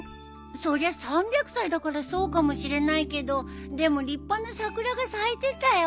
そりゃ３００歳だからそうかもしれないけどでも立派な桜が咲いてたよ？